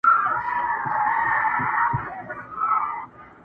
يو شمېر خلک يې کيسې د ژبي جوړښت او سمبوليکي فضا له پاره ستايي،